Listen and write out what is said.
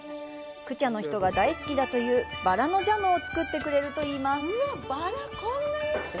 クチャの人が大好きだというバラのジャムを作ってくれると言います。